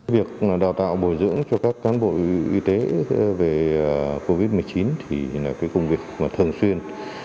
việc đào tạo bồi dưỡng cho các cán bộ y tế về covid một mươi chín thì là cái công việc thường xuyên